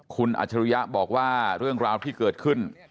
คุณอัจฉริยะบอกว่าเรื่องราวที่เกิดขึ้น